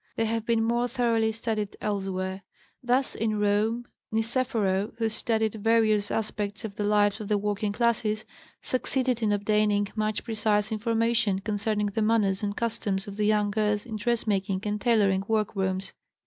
They have been more thoroughly studied elsewhere. Thus, in Rome, Niceforo, who studied various aspects of the lives of the working classes, succeeded in obtaining much precise information concerning the manners and customs of the young girls in dressmaking and tailoring work rooms.